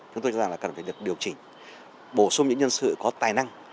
chúng tôi cho rằng là cần phải được điều chỉnh bổ sung những nhân sự có tài năng